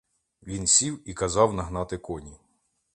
Він сів і казав нагнати коні.